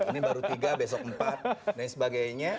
ini baru tiga besok empat dan sebagainya